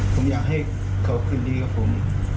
ผมอยากให้เขาคืนดีกับผม